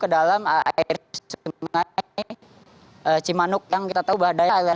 ke dalam air sungai cimanuk yang kita tahu bahadanya